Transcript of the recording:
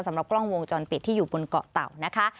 สำหรับกล้องวงจรปิดที่อยู่บนเกาะเต่านะคะ